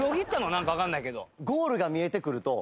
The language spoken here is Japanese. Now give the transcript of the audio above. なんかわかんないけど。